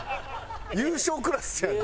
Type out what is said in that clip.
優勝クラスやで。